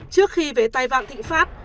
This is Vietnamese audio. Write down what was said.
trước khi về tài vạn thịnh pháp